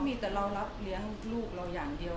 มีแต่เรารับเลี้ยงลูกเราอย่างเดียว